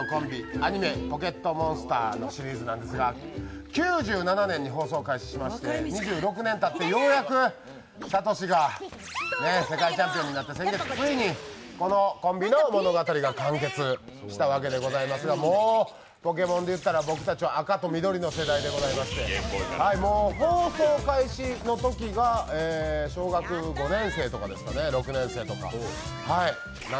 アニメ「ポケットモンスター」のシリーズなんですが、９７年に放送開始しまして２６年たってようやくサトシが世界チャンピオンになった先月、ついにこのコンビの物語が完結したわけでございますけれども、ポケモンでいったら僕は「赤・緑」の世代でして、放送開始のときが小学５年生とか６年生ですかね。